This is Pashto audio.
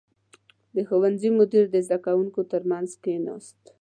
• د ښوونځي مدیر د زده کوونکو تر منځ کښېناست.